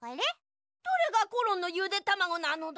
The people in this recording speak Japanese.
どれがコロンのゆでたまごなのだ？